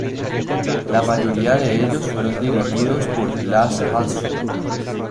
La mayoría de ellos fueron dirigidos por Lasse Hallström.